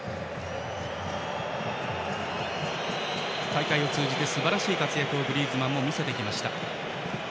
大会を通じてすばらしい活躍をグリーズマンも見せてきました。